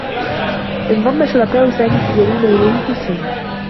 انضمّ شركاء سامي في الجريمة إليه في السّجن.